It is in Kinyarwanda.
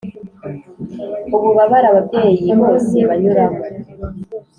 ububabare ababyeyi bose banyuramo,